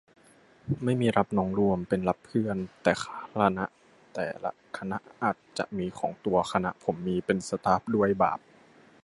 ไม่มีรับน้องรวม เป็นรับเพื่อน แต่คณะแต่ละคณะอาจมีของตัว คณะผมมี เป็นสต๊าฟด้วย บาป